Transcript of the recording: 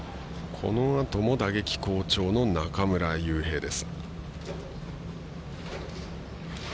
このあとも打撃好調の中村悠平です。